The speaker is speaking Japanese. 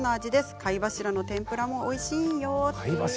貝柱の天ぷらもおいしいよ。